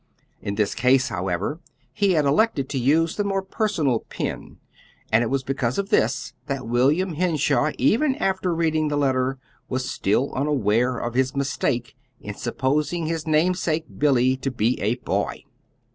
In this case, however, he had elected to use the more personal pen; and it was because of this that William Henshaw, even after reading the letter, was still unaware of his mistake in supposing his namesake, Billy, to be a boy.